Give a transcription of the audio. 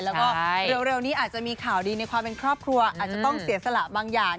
แล้วก็เร็วนี้อาจจะมีข่าวดีในความเป็นครอบครัวอาจจะต้องเสียสละบางอย่าง